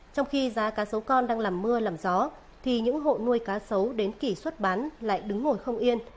trong khi giá cá sấu con đang làm mưa làm gió thì những hộ nuôi cá sấu đến kỷ xuất bán lại đứng ngồi không yên